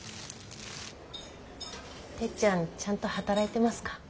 てっちゃんちゃんと働いてますか？